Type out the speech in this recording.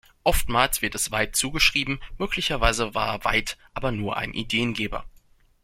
Oftmals wird es Veit zugeschrieben, möglicherweise war Veit aber nur ein Ideengeber.